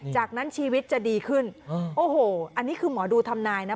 จากนั้นชีวิตจะดีขึ้นโอ้โหอันนี้คือหมอดูทำนายนะ